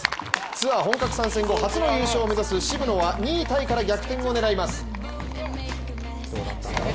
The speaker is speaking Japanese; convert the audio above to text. ツアー本格参戦後初の優勝を目指す渋野は２位タイから逆転を狙います。